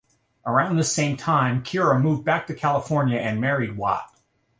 Around this same time, Kira moved back to California and married Watt.